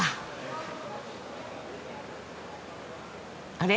あれ？